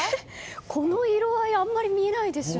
この色合いあんまり見ないですよね。